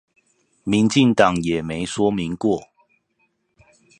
民進黨也沒說明過？